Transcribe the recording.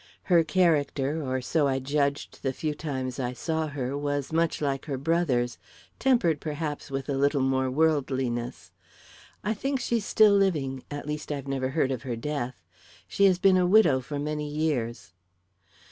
Her character or so I judged the few times I saw her was much like her brother's, tempered, perhaps, with a little more worldliness. I think she's still living; at least, I've never heard of her death. She has been a widow for many years.